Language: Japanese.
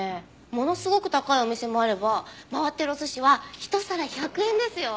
ものすごく高いお店もあれば回ってるお寿司は一皿１００円ですよ。